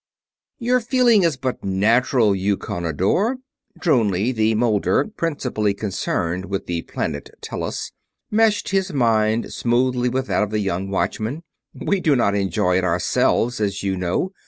"Your feeling is but natural, Eukonidor." Drounli, the Moulder principally concerned with the planet Tellus, meshed his mind smoothly with that of the young Watchman. "We do not enjoy it ourselves, as you know.